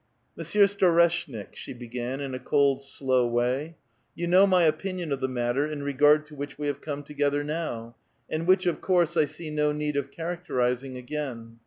"Monsieur Storeshnik," she began in a cold, slow way, "3'ou know my opinion of the matter in regard to which we have come together now, and which, of course, I see no need of characterizing again.